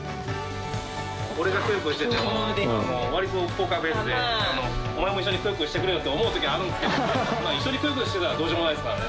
俺がくよくよしてても、わりとポーカーフェースで、お前も一緒にくよくよしてくれよと思うときもあるんですけど、一緒にくよくよしてたらどうしようもないですからね。